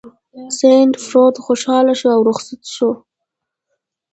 سنډفورډ خوشحاله شو او رخصت شو.